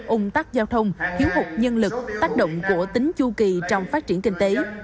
ung tắc giao thông thiếu hụt nhân lực tác động của tính chu kỳ trong phát triển kinh tế